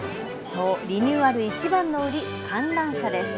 そう、リニューアルいちばんの売り、観覧車です。